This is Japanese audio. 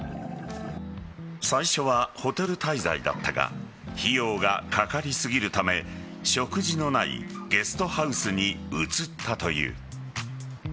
最初は、ホテル滞在だったが費用が掛かり過ぎるため食事のないゲストハウスに移ったという。